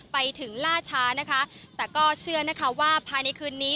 ไปถึงล่าช้านะคะแต่ก็เชื่อนะคะว่าภายในคืนนี้